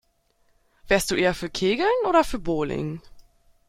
Wärst du eher für Kegeln oder für Bowling?